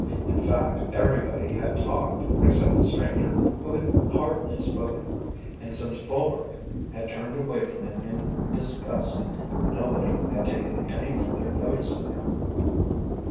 In fact everybody had talked, except the stranger, who had hardly spoken, and since Faubourg had turned away from him in disgust, nobody had taken any further notice of him.